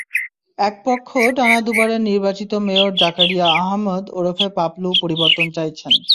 একপক্ষ টানা দুবারের নির্বাচিত মেয়র জাকারিয়া আহমদ ওরফে পাপলু পরিবর্তন চাইছেন।